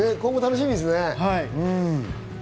今後楽しみですね。